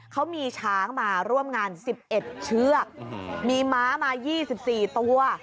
เขามีช้างมาร่วมงาน๑๑เชือกมีม้ามา๒๔ตัว